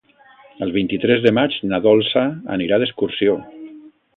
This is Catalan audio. El vint-i-tres de maig na Dolça anirà d'excursió.